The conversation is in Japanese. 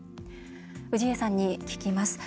氏家さんに聞きます。